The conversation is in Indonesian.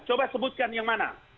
coba sebutkan yang mana